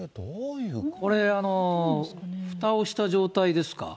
これ、ふたをした状態ですか。